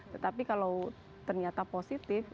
tetapi kalau ternyata positif